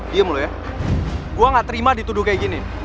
diam lo ya gua ga terima dituduh kayak gini